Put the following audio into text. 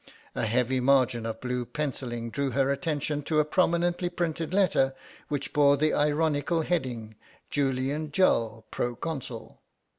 A heavy margin of blue pencilling drew her attention to a prominently printed letter which bore the ironical heading: "Julian Jull, Proconsul."